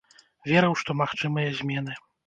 Верыў, што магчымыя змены.